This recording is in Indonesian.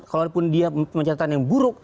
kalaupun dia mencatatan yang buruk